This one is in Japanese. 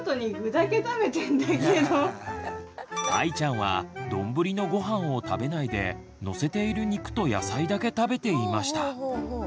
あいちゃんはどんぶりのごはんを食べないでのせている肉と野菜だけ食べていました。